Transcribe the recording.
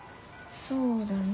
そうだね。